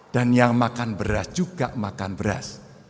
dan yang makan beras juga makan beras